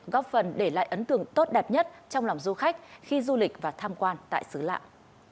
góp phần để lại ấn tượng tốt đẹp nhất trong lòng du khách khi du lịch và tham quan tại xứ lạng